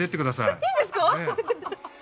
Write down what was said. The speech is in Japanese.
えっ、いいんですか？